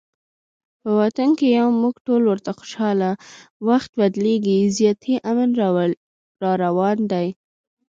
په وطن کې یو موږ ټول ورته خوشحاله، وخت بدلیږي زیاتي امن راروان دي